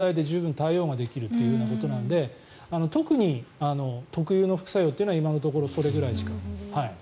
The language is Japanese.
その熱も解熱剤で、十分対応ができるということなので特に、特有の副作用は今のところそれくらいしか。